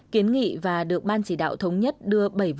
kiến nghị và được ban chỉ đạo thống nhất đưa bảy vụ án nghiêm trọng